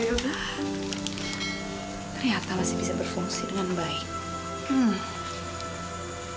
ya ternyata masih bisa berfungsi dengan baik